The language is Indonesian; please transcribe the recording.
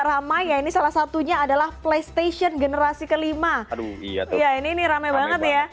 ramai ya ini salah satunya adalah playstation generasi kelima aduh iya ini rame banget ya